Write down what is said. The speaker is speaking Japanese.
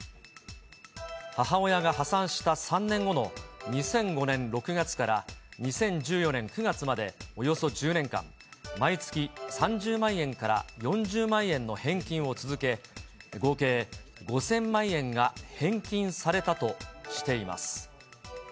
母親が破産した３年後の２００５年６月から２０１４年９月まで、およそ１０年間、毎月３０万円から４０万円の返金を続け、合計５０００万円が返金されたとしています。